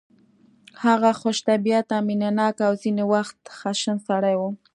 هغه خوش طبیعته مینه ناک او ځینې وخت خشن سړی و